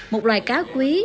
một loài cá quý